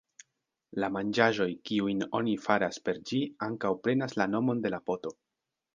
La manĝaĵoj kiujn oni faras per ĝi ankaŭ prenas la nomon de la poto.